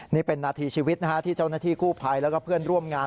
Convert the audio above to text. นี่เป็นนาทีชีวิตที่เจ้าหน้าที่กู้ภัยแล้วก็เพื่อนร่วมงาน